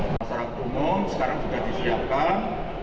masyarakat umum sekarang sudah disiapkan